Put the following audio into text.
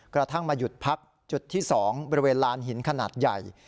กระทั่งมาหยุดพักจุดที่๒บริเวณลานหินขนาดใหญ่